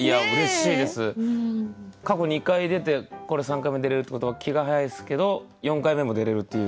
過去２回出てこれ３回目出れるってことは気が早いですけど４回目も出れるっていう。